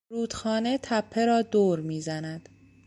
رودخانه تپه را دور میزند.